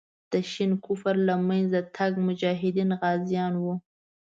د شین کفر د له منځه تګ مجاهدین غازیان وو.